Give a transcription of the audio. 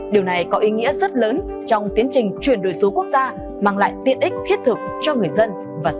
điều này có ý nghĩa rất lớn trong tiến trình truyền đổi số quốc gia mang lại tiện ích thiết thực cho người dân